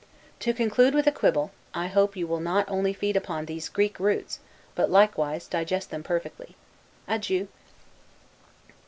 To conclude with a quibble: I hope you will not only feed upon these Greek roots, but likewise digest them perfectly. Adieu.